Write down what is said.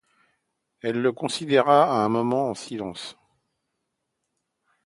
Elle le considéra un moment en silence.